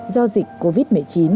do dịch covid một mươi chín